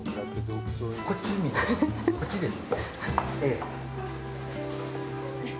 こっちです。